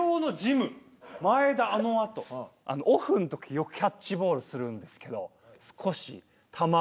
オフの時よくキャッチボールするんですけど。